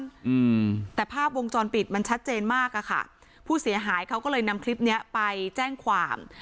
อืมแต่ภาพวงจรปิดมันชัดเจนมากอ่ะค่ะผู้เสียหายเขาก็เลยนำคลิปเนี้ยไปแจ้งความ